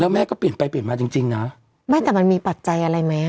แม่ก็เปลี่ยนไปเปลี่ยนมาจริงจริงนะไม่แต่มันมีปัจจัยอะไรไหม